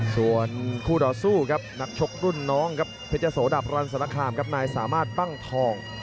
ส่วนคู่ต่อสู้ครับนักชกรุ่นน้องครับเพชรโสดับรันสารคามครับนายสามารถปั้งทอง